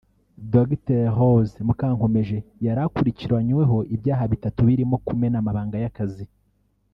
Dr Rose Mukankomeje yari akurikiranyweho ibyaha bitatu birimo kumena amabanga y’akazi